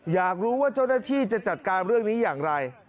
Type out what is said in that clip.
อยากรู้ว่าเจ้าหน้าที่จะจัดการเรื่องนี้อย่างไร